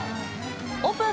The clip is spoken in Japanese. オープン。